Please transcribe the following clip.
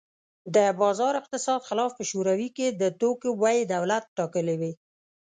د بازار اقتصاد خلاف په شوروي کې د توکو بیې دولت ټاکلې وې